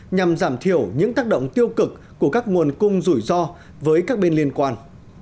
nhằm giảm thiểu những tác động tiêu cực của các nguồn cung rủi ro với các bên liên quan